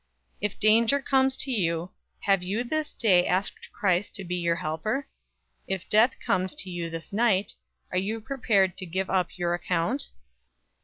If danger comes to you, have you this day asked Christ to be your helper? If death comes to you this night, are you prepared to give up your account?